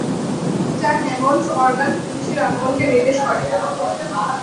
একটা Hammond organ পুলিশের আগমনকে নির্দেশ করে।